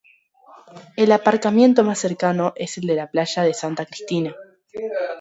El aparcamiento más cercano es el de la Playa de Santa Cristina.